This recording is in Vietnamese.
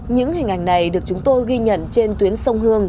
những hình ảnh này được chúng tôi ghi nhận trên tuyến sông hương